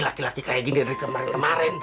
laki laki kayak gini dari kemarin kemarin